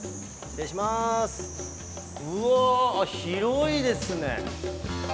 あっ広いですね。